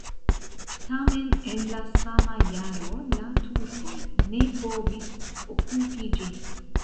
Tamen en la sama jaro la turkoj ne povis okupi ĝin.